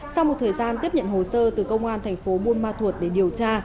sau một thời gian tiếp nhận hồ sơ từ công an thành phố buôn ma thuột để điều tra